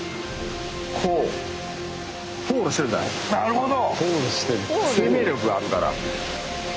なるほど！